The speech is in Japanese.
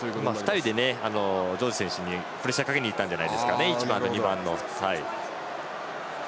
２人でジョージ選手にプレッシャーかけにいったんじゃないですかね。